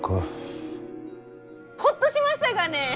ホッとしましたがね！